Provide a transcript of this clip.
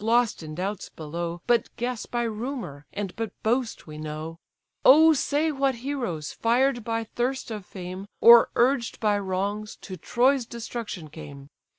lost in doubts below, But guess by rumour, and but boast we know,) O say what heroes, fired by thirst of fame, Or urged by wrongs, to Troy's destruction came.